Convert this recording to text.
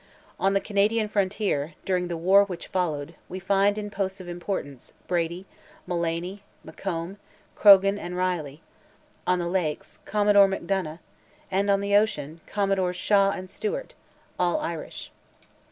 On the Canadian frontier, during the war which followed, we find in posts of importance, Brady, Mullany, McComb, Croghan and Reilly; on the lakes, Commodore McDonough, and on the ocean, Commodores Shaw and Stewart—all Irish.